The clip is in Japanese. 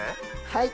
はい。